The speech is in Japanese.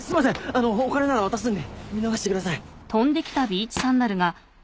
あのうお金なら渡すんで見逃してください。